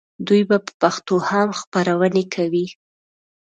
دوی په پښتو هم خپرونې کوي.